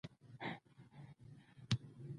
له بلې خوا د مومن خان مینې اور و.